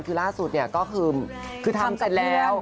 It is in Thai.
คือล่าสุดเนี่ยก็คือทำเสร็จแล้ว